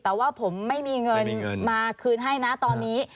แต่ว่าผมไม่มีเงินมาคืนให้นะตอนนี้